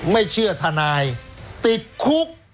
ไม่เชื่อทนายติดคุก